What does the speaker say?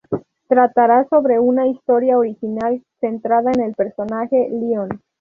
Tratará sobre una historia original centrada en el personaje Lion.